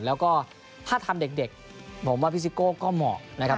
แล้วก็ถ้าทำเด็กผมว่าพี่ซิโก้ก็เหมาะนะครับ